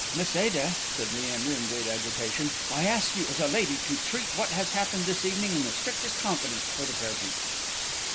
"Miss Ada," said Leander, in great agitation, "I ask you, as a lady, to treat what has happened this evening in the strictest confidence for the present!"